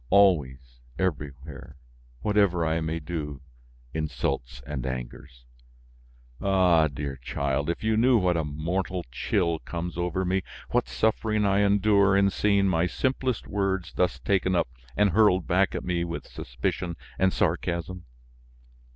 Always, everywhere, whatever I may do, insults and angers! Ah! dear child, if you knew what a mortal chill comes over me, what suffering I endure in seeing my simplest words thus taken up and hurled back at me with suspicion and sarcasm!